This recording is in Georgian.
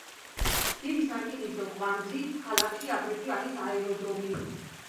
დიდი სარკინიგზო კვანძი, ქალაქში აგრეთვე არის აეროდრომი.